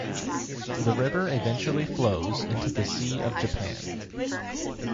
The river eventually flows into the Sea of Japan.